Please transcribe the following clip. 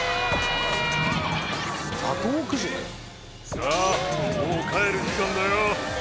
さあもう帰る時間だよ。